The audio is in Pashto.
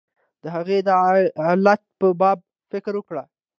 د هغې د علت په باب فکر وکړه.